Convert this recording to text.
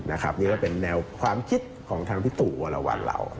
นี่ก็เป็นแนวความคิดของทางพิสูจน์ระหว่างเรา